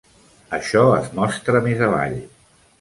Això es mostra més avall.